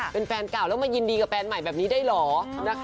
เป็นแฟนเก่าแล้วมายินดีกับแฟนใหม่แบบนี้ได้เหรอ